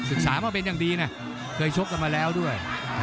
มาเป็นอย่างดีนะเคยชกกันมาแล้วด้วย